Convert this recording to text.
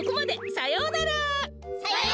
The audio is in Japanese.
さようなら！